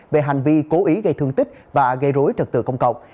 về hành vi cố ý gây thương tích và gây rối trật tự công cộng